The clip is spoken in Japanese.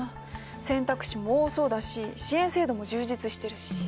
選択肢も多そうだし支援制度も充実してるし。